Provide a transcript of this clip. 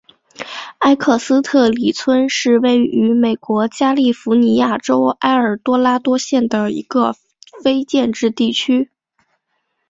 埃克斯特里村是位于美国加利福尼亚州埃尔多拉多县的一个非建制地区。